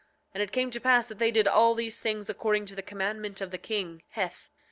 And it came to pass that they did all these things according to the commandment of the king, Heth.